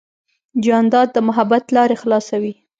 جانداد د محبت لارې خلاصوي.